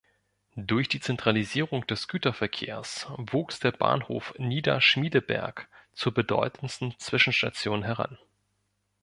Durch die Zentralisierung des Güterverkehrs wuchs der Bahnhof Niederschmiedeberg zur bedeutendsten Zwischenstation heran.